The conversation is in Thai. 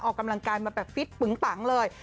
ออกกำลังกายมาแบบฟิตปึงปังเลย